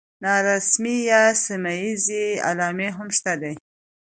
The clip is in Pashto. نارسمي یا سیمه ییزې علامې هم شته دي.